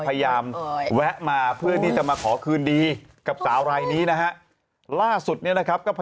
เอาสาวเหยื่อนน้ำกรดก่อนนะครับ